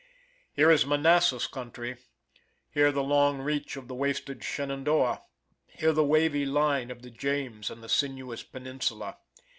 Here is the Manassas country here the long reach of the wasted Shenandoah; here the wavy line of the James and the sinuous peninsula.